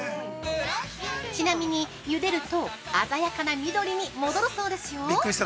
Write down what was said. ◆ちなみに、ゆでると鮮やかな緑に戻るそうですよ。